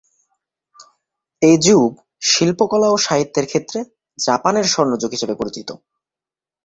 এই যুগ শিল্পকলা ও সাহিত্যের ক্ষেত্রে জাপানের স্বর্ণযুগ হিসেবে পরিচিত।